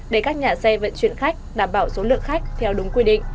để các nhà xe vận chuyển khách đảm bảo số lượng khách theo đúng quy định